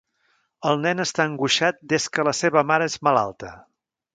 El nen està angoixat des que la seva mare és malalta.